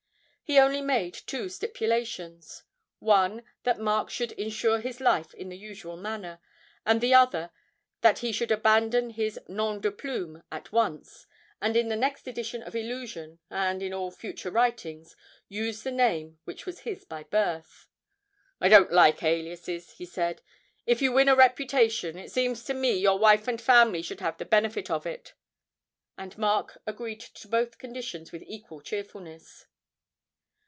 He only made two stipulations: one, that Mark should insure his life in the usual manner; and the other, that he should abandon his nom de plume at once, and in the next edition of "Illusion," and in all future writings, use the name which was his by birth. 'I don't like aliases,' he said; 'if you win a reputation, it seems to me your wife and family should have the benefit of it;' and Mark agreed to both conditions with equal cheerfulness.